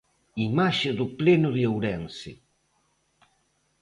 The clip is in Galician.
Imaxe do pleno de Ourense.